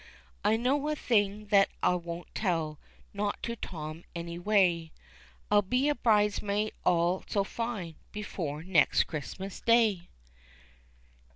I know a thing that I won't tell not to Tom anyway, I'll be a bridesmaid all so fine before next Xmas day.